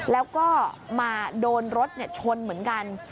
แล้วก็มาโดนรถชนเหมือนกัน